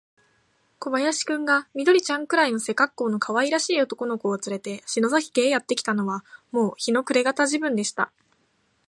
小林君が、緑ちゃんくらいの背かっこうのかわいらしい男の子をつれて、篠崎家へやってきたのは、もう日の暮れがた時分でした。